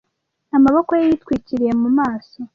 amaboko ye yitwikiriye mu maso